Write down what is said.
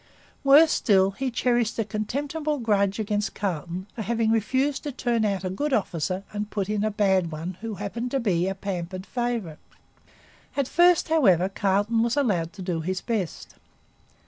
Worse still, he cherished a contemptible grudge against Carleton for having refused to turn out a good officer and put in a bad one who happened to be a pampered favourite. At first, however, Carleton was allowed to do his best.